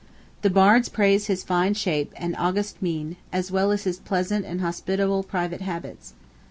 The Bards praise his "fine shape" and "august mien," as well as his "pleasant and hospitable" private habits.